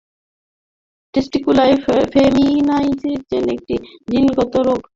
Testicular feminisation একটি জিনগত রোগ।